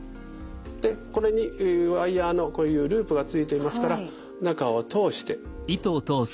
でこれにワイヤーのこういうループが付いていますから中を通して。